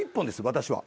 私は。